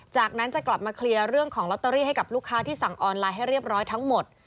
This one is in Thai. จากนั้นจะกลับมาเคลียร์เรื่องของลอตเตอรี่ให้กับลูกค้าที่สั่งออนไลน์ให้เรียบร้อยทั้งหมด